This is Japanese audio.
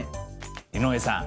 井上さん